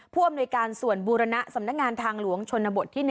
ผู้อำนวยการส่วนบูรณะสำนักงานทางหลวงชนบทที่๑